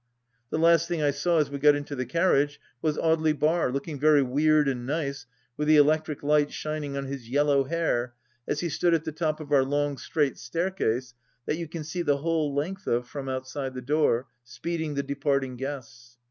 The last thing I saw as we got into the carriage was Audely Bar, looking very weird and nice with the electric light shining on his yellow hair, as he stood at the top of our long straight staircase that you can see the whole length of from outside the door, speeding the departing guests.